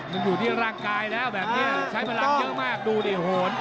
มันอยู่ที่ร่างกายแล้วแบบนี้ใช้พลังเยอะมากดูดิโหน